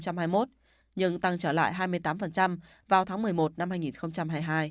nhưng tăng trở lại hai mươi tám vào tháng một mươi một năm hai nghìn hai mươi hai